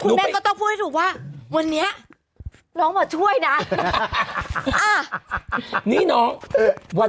แม่ก็ต้องพูดให้ถูกว่าวันนี้น้องมาช่วยนะนี่น้องวัน